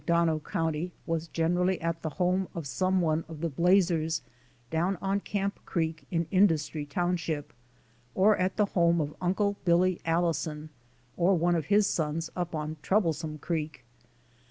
3, in McDonough county, was generally at the home of some one of the Blazers down on Camp Creek in In dustry township, or at the home of Uncle Billy Allison, or one of his sons up on Troublesome Creek.